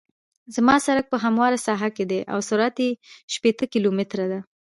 زما سرک په همواره ساحه کې دی او سرعت یې شپیته کیلومتره دی